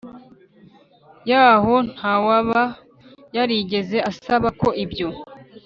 y aho ntawaba yarigeze asaba ko ibyo